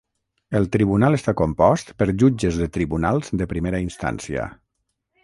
El tribunal està compost per jutges de tribunals de primera instància.